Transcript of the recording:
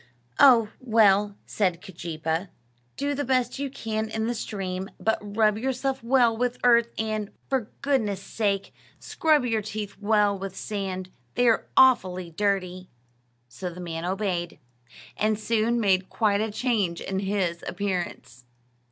"Oh, well," said Keejeepaa, "do the best you can in the stream; but rub yourself well with earth, and, for goodness' sake, scrub your teeth well with sand; they are awfully dirty." So the man obeyed, and soon made quite a change in his appearance.